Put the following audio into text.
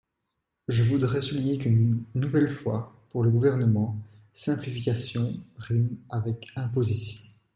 Je voudrais souligner qu’une nouvelle fois, pour le Gouvernement, simplification rime avec imposition.